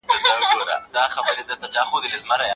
د ناروغانو ملاتړ باید دوامداره وي.